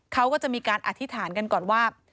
เขาก็จะมีการอธิษฐานกันก่อนว่า